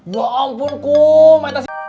ya ampun kum